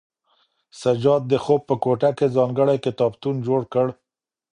سجاد د خوب په کوټه کې ځانګړی کتابتون جوړ کړ.